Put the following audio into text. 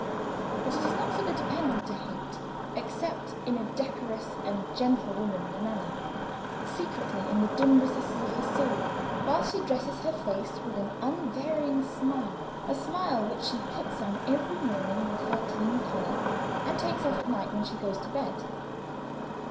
But it is not for a dependent to hate, except in a decorous and gentlewomanly manner secretly, in the dim recesses of her soul; while she dresses her face with an unvarying smile a smile which she puts on every morning with her clean collar, and takes off at night when she goes to bed.